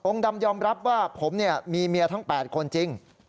ดำยอมรับว่าผมมีเมียทั้ง๘คนจริง